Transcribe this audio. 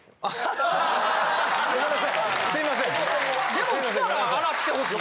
でも来たら洗ってほしい。